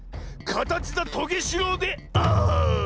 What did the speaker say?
かたちだトゲしろうである。